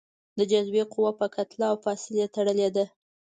د جاذبې قوه په کتله او فاصلې تړلې ده.